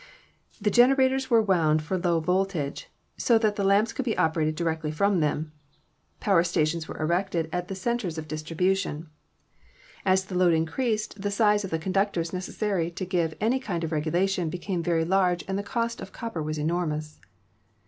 The generators were wound for low volt age so that the lamps could be operated directly from them. Power stations were erected at the centers of distribution. 214 ELECTRICITY As the load increased the size of the conductors necessary to give any kind of regulation became very large and the cost of the copper was enormous.